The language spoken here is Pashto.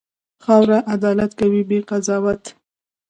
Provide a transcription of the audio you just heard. خاوره عدالت کوي، بې قضاوت.